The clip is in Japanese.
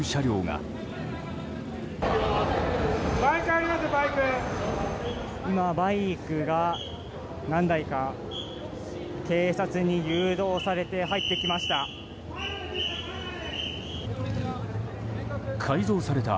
今、バイクが何台か警察に誘導されて入ってきました。